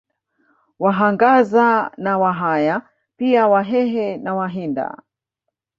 Wahangaza na Wahaya pia Wahehe na Wahinda